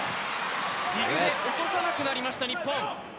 落とさなくなりました、日本。